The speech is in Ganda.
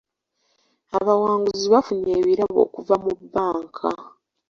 Abawanguzi baafunye ebirabo okuva mu bbanka.